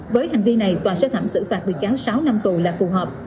với hành vi này tòa sơ thẩm xử phạt bị cáo sáu năm tù là phù hợp